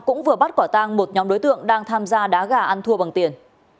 cũng vừa bắt quả tang một nhóm đối tượng đang tham gia đá gà ăn thua bằng tiền